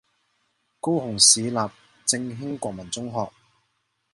高雄市立正興國民中學